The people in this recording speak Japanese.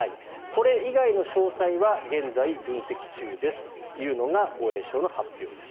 これ以外の詳細は現在、分析中ですというのが防衛省の発表です。